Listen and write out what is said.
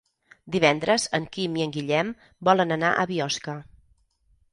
Divendres en Quim i en Guillem volen anar a Biosca.